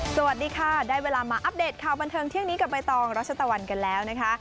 สวัสดีค่ะได้เวลามาอัปเดตข่าวบันเทิงเที่ยงนี้กับใบตองรัชตะวันกันแล้วนะคะ